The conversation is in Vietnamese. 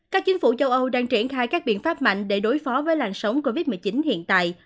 các chính phủ châu âu đang triển khai các biện pháp mạnh để đối phó với làn sóng covid một mươi chín hiện tại